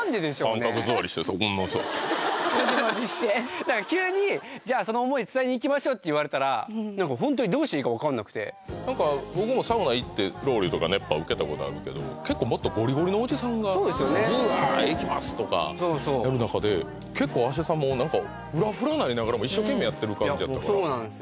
三角座りしてさこんなさモジモジして何か急にじゃその思い伝えに行きましょうって言われたら何かホントに何か僕もサウナ行ってロウリュとか熱波受けたことあるけど結構もっとゴリゴリのおじさんがブワいきます！とかやる中で結構芦田さんもう何かフラフラなりながらも一生懸命やってる感じそうなんです